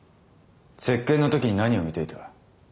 接見の時に何を見ていた？